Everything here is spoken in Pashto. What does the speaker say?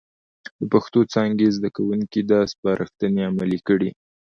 د پښتو څانګې زده کوونکي دا سپارښتنه عملي کړي،